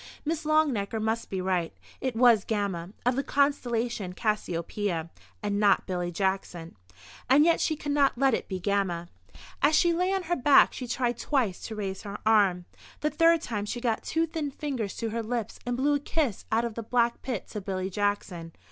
Miss Longnecker must be right; it was Gamma, of the constellation Cassiopeia, and not Billy Jackson. And yet she could not let it be Gamma. As she lay on her back she tried twice to raise her arm. The third time she got two thin fingers to her lips and blew a kiss out of the black pit to Billy Jackson.